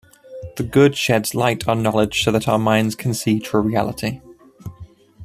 The Good "sheds light" on knowledge so that our minds can see true reality.